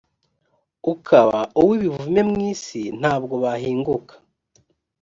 ukaba uw ibivume mu isi ntabwo bahinguka